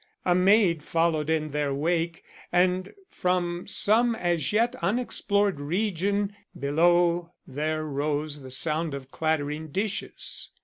A maid followed in their wake, and from some as yet unexplored region below there rose the sound of clattering dishes.